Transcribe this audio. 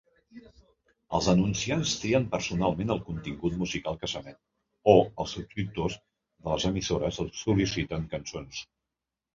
Els anunciants trien personalment el contingut musical que s'emet, o els subscriptors de les emissores sol·liciten cançons.